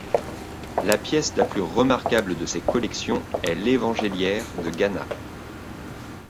La pièce la plus remarquable de ses collections est l'évangéliaire de Gannat.